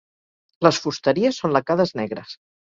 Les fusteries són lacades negres.